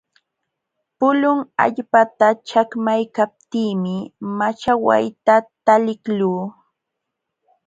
Pulun allpata chakmaykaptiimi machawayta taliqluu.